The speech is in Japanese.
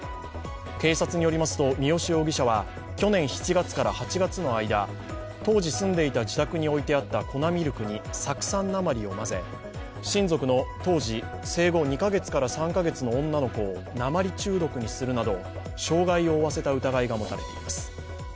警察によりますと、三好容疑者は去年７月から８月の間当時住んでいた自宅に置いてあった粉ミルクに酢酸鉛を混ぜ、親族の当時２か月から３か月の女の子を鉛中毒にするなど、傷害を負わせた疑いが持たれています。